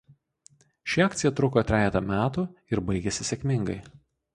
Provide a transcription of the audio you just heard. Ši akcija truko trejetą metų ir baigėsi sėkmingai.